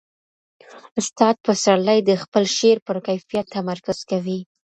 استاد پسرلی د خپل شعر پر کیفیت تمرکز کوي.